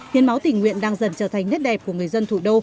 hiến máu tình nguyện đang dần trở thành nét đẹp của người dân thủ đô